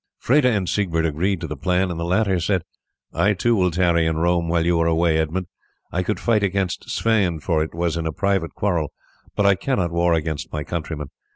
Freda and Siegbert agreed to the plan, and the latter said, "I too will tarry in Rome while you are away, Edmund. I could fight against Sweyn, for it was in a private quarrel, but I cannot war against my countrymen.